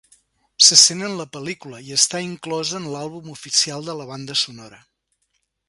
Se sent en la pel·lícula i està inclosa en l'àlbum oficial de la banda sonora.